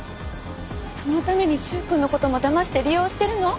そのために柊君のこともだまして利用してるの？